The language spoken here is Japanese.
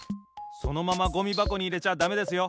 そのままゴミばこにいれちゃだめですよ！